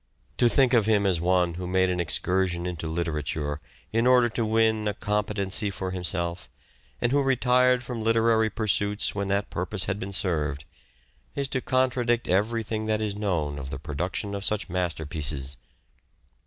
To think of him as one who made an excursion into literature in order to win a competency for himself, and who retired from literary pursuits when that purpose had been served, is to contradict everything that is known of the production of such masterpieces.